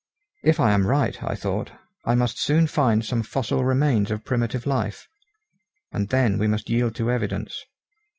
If I am right, I thought, I must soon find some fossil remains of primitive life; and then we must yield to evidence.